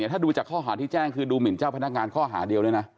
ถ้าดูจากข้อหาที่แจ้งคือดูหมินเจ้าพนักงานข้อหาเดียวด้วยนะ